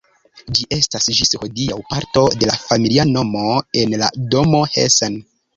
Ĝi estas ĝis hodiaŭ parto de la familia nomo en la domo Hessen.